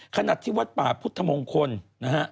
ขณะที่วัดป่าพุทธมงคลนะฮะ